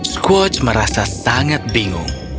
squatch merasa sangat bingung